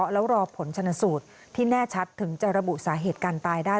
แล้วรอผลชนสูตรที่แน่ชัดถึงจะระบุสาเหตุการตายได้